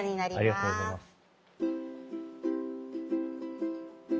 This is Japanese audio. ありがとうございます。